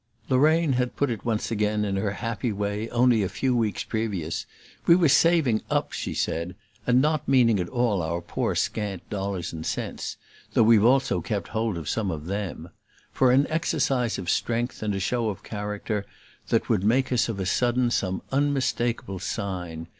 Lorraine had put it once again in her happy way only a few weeks previous; we were "saving up," she said and not meaning at all our poor scant dollars and cents, though we've also kept hold of some of THEM for an exercise of strength and a show of character that would make us of a sudden some unmistakable sign.